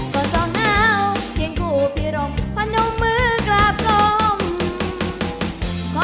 ควรส่องเหงาเคียงกู่พี่รงพันมือกราบกลม